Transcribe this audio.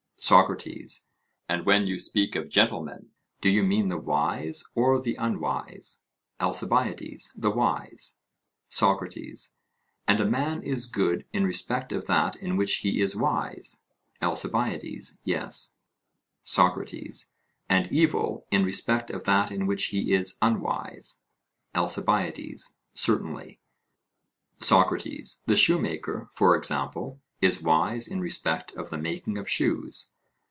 SOCRATES: And when you speak of gentlemen, do you mean the wise or the unwise? ALCIBIADES: The wise. SOCRATES: And a man is good in respect of that in which he is wise? ALCIBIADES: Yes. SOCRATES: And evil in respect of that in which he is unwise? ALCIBIADES: Certainly. SOCRATES: The shoemaker, for example, is wise in respect of the making of shoes?